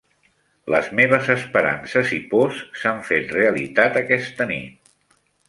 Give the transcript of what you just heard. Les meves esperances i pors s'han fet realitat aquesta nit.